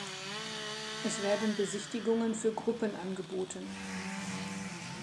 Es werden Besichtigungen für Gruppen angeboten.